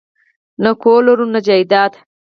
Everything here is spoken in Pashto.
نه کور لرو نه جایداد